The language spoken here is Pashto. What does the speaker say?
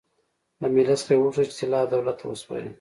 له ملت څخه یې وغوښتل چې طلا دولت ته وسپاري.